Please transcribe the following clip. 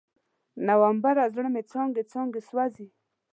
نومبره، زړه مې څانګې، څانګې سوزي